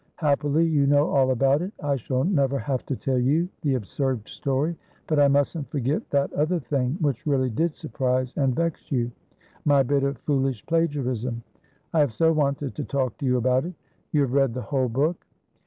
Happily, you know all about it; I shall never have to tell you the absurd story. But I mustn't forget that other thing which really did surprise and vex youmy bit of foolish plagiarism. I have so wanted to talk to you about it. You have read the whole book?"